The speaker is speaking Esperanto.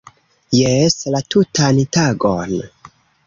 Jes! - La tutan tagon